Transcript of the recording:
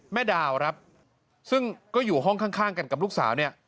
ดาวครับซึ่งก็อยู่ห้องข้างกันกับลูกสาวเนี่ย